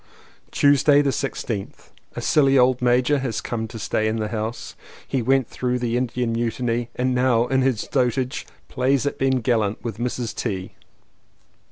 Tuesday the 16th. A silly old major has come to stay in the house. He went through the Indian Mu tiny and now in his dotage plays at being gallant with Mrs. T.